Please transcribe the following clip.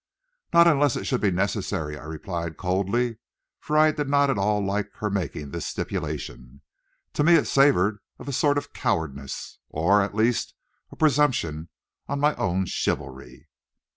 "Not unless it should be necessary," I replied coldly, for I did not at all like her making this stipulation. To me it savored of a sort of cowardice, or at least a presumption on my own chivalry.